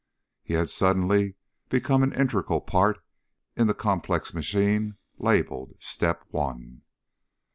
He had suddenly become an integral part in the complex machine labeled STEP ONE.